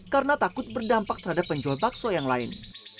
karena takut berdampak terhadap penjual bakso yang lain